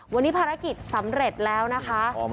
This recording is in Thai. วันนี้ภารกิจสำเร็จแล้วนะคะ